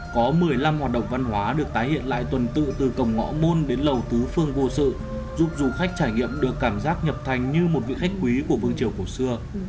có một mươi năm hoạt động văn hóa được tái hiện lại tuần tự từ cổng ngõ đến lầu tứ phương vô sự giúp du khách trải nghiệm được cảm giác nhập thành như một vị khách quý của vương triều cổ xưa